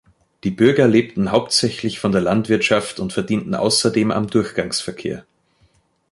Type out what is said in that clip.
Die Bürger lebten hauptsächlich von der Landwirtschaft und verdienten außerdem am Durchgangsverkehr.